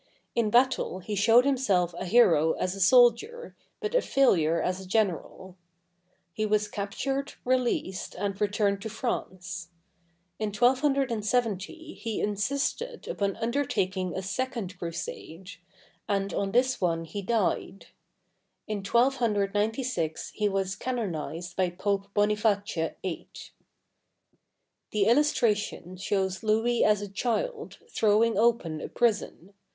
In battle he showed himself a hero as a soldier, but a failure as a general. He was captured, released, and returned to France. In 1270 he insisted upon undertaking a second crusade; and on this one he died. In 1296 he was canonized by Pope Boniface VIII. The illustration shows Louis as a child, throwing open a prison.